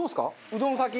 うどん先？